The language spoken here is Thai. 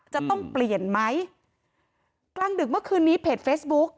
จะต้องเปลี่ยนไหมกลางดึกเมื่อคืนนี้เพจเฟซบุ๊ก